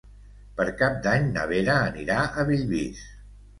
Per Cap d'Any na Vera anirà a Bellvís.